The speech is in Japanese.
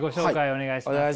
お願いします。